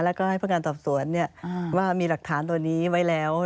แล้วก็ให้พนักงานสอบสวนว่ามีหลักฐานตัวนี้ไว้แล้ว